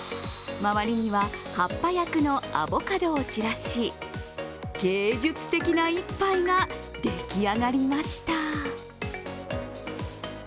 周りには葉っぱ役のアボカドを散らし芸術的な一杯ができ上がりました。